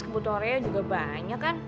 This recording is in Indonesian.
kebutuhan raya juga banyak kan